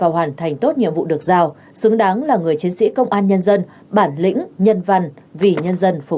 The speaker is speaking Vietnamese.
hãy đăng ký kênh để ủng hộ kênh của chúng mình nhé